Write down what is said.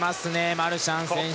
マルシャン選手。